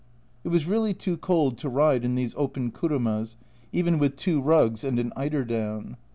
It was really too cold to ride in these open kurumas, even with two rugs and an eiderdown.